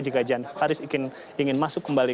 jika jan faris ingin masuk kembali